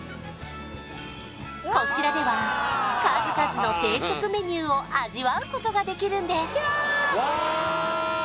こちらでは数々の定食メニューを味わうことができるんです